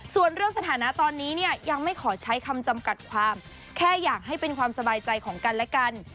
ส่วนเรื่องสถานะตอนนี้เนี่ยยังไม่ขอใช้คำจำกัดความแค่อยากให้เป็นความสบายใจของกันและกัน